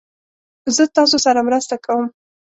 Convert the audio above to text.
زه تاسو سره مرسته کوم